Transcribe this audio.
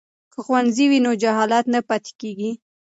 که ښوونځی وي نو جهالت نه پاتیږي.